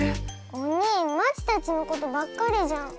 おにぃまちたちのことばっかりじゃん。